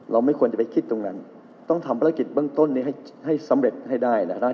ไม่ควรจะไปคิดตรงนั้นต้องทำภารกิจเบื้องต้นนี้ให้สำเร็จให้ได้นะ